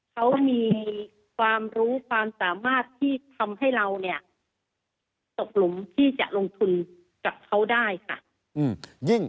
เขามีความรู้ความสามารถที่ทำให้เราเนี่ยตกหลุมที่จะลงทุนกับเขาได้ค่ะ